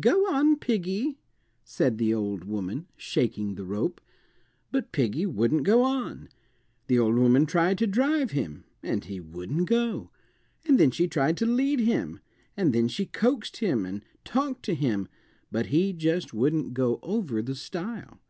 "Go on, piggy," said the old woman, shaking the rope. But piggy wouldn't go on. The old woman tried to drive him, and he wouldn't go, and then she tried to lead him, and then she coaxed him and talked to him, but he just wouldn't go over the stile.